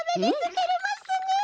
てれますね！